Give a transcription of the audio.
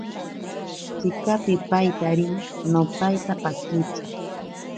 Tsika pipaitari. No paita pakitsa.